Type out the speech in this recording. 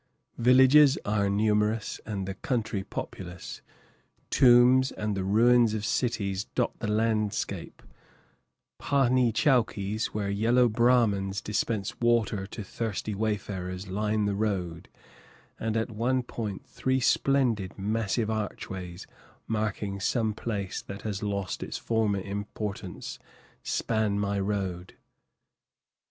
Villages are numerous, and the country populous; tombs and the ruins of cities dot the landscape, pahnee chowkees, where yellow Brahmans dispense water to thirsty wayfarers, line the road, and at one point three splendid, massive archways, marking some place that has lost its former importance, span my road.